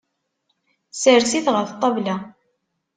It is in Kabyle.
Sers-it ɣef ṭṭabla.